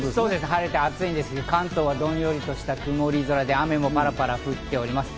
晴れて暑いんですが、関東はどんよりとした曇り空、雨もパラついてます。